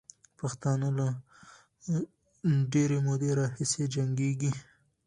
پښتانه له ډېرې مودې راهیسې جنګېږي.